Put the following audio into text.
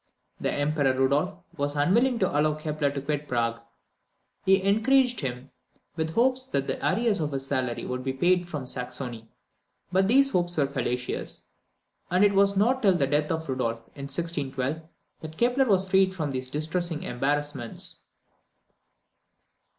The Emperor Rudolph was unwilling to allow Kepler to quit Prague. He encouraged him with hopes that the arrears of his salary would be paid from Saxony; but these hopes were fallacious, and it was not till the death of Rudolph, in 1612, that Kepler was freed from these distressing embarrassments.